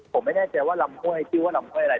ผมไม่แน่ใจว่าลำเว้ยคิดว่าลำเว้ยอะไร